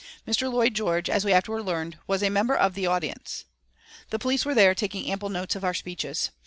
Mr. Lloyd George, as we afterward learned, was a member of the audience. The police were there, taking ample notes of our speeches.